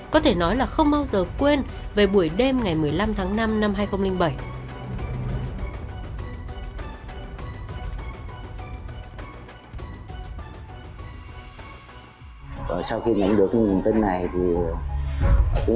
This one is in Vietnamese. có thể nói là không bao giờ quên về buổi đêm ngày một mươi năm tháng năm năm hai nghìn bảy